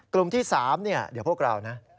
กลุ่มที่๓เดี๋ยวพวกเรานะ